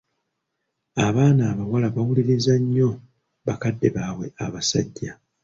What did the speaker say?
Abaana abawala bawuliriza nnyo bakadde baabwe abasajja.